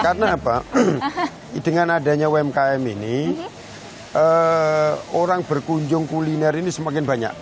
karena apa dengan adanya umkm ini orang berkunjung kuliner ini semakin banyak